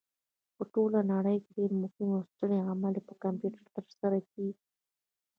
په ټوله نړۍ کې ډېرې مهمې او سترې عملیې په کمپیوټر ترسره کېږي.